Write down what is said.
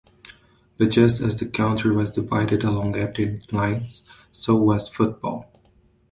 But just as the country was divided along ethnic lines, so was football.